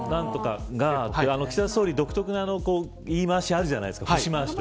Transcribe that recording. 岸田総理の独特の言い回しがあるじゃないですか。